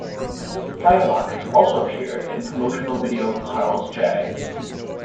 Frylock has also appeared in promotional video Carl's J.